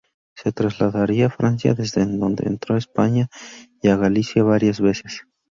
Se trasladaría a Francia, desde donde entró a España y a Galicia varias veces.